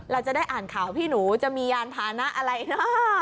เราจะได้อ่านข่าวพี่หนูจะมียานพานะอะไรนะ